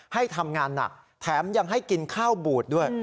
ให้ทำงานหนักแถมยังให้กินข้าวบูดด้วย